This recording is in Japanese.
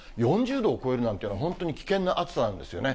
４０度を超えるなんていうのは、本当に危険な暑さなんですよね。